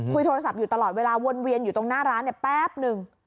โทรศัพท์อยู่ตลอดเวลาวนเวียนอยู่ตรงหน้าร้านแป๊บหนึ่ง